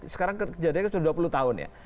sekarang kejadiannya sudah dua puluh tahun ya